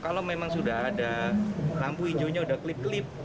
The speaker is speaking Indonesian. kalau memang sudah ada lampu hijaunya sudah klip klip